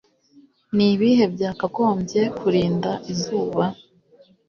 Nibihe Byakagombye Kurinda izuba